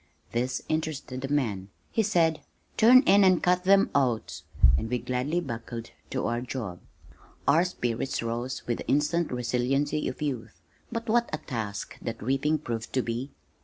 This interested the man. He said, "Turn in and cut them oats," and we gladly buckled to our job. Our spirits rose with the instant resiliency of youth, but what a task that reaping proved to be!